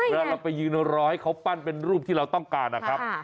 เวลาเราไปยืนรอให้เขาปั้นเป็นรูปที่เราต้องการนะครับ